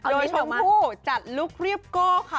โดยชมพู่จัดลุคเรียบโก้ค่ะ